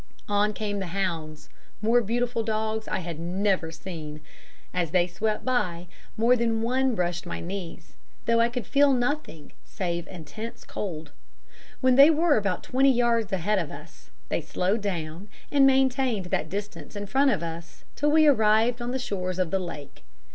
On came the hounds more beautiful dogs I had never seen; as they swept by, more than one brushed against my knees, though I could feel nothing save intense cold. When they were about twenty yards ahead of us, they slowed down, and maintained that distance in front of us till we arrived on the shores of the lake.